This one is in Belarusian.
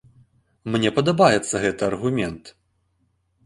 Мне падабаецца гэты аргумент.